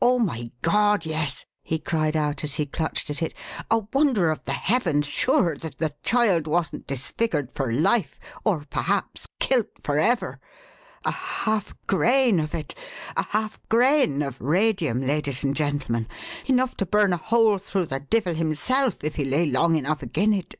Oh, my God, yes!" he cried out as he clutched at it. "A wonder of the heavens, sure, that the child wasn't disfigured for life or perhaps kilt forever. A half grain of it a half grain of radium, ladies and gentlemen enough to burn a hole through the divvle himself, if he lay long enough agin it."